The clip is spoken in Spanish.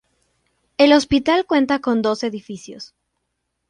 El hospital cuenta con dos edificios.